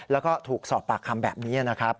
แล้วก็ถูกสอบปากคำแบบนี้นะครับ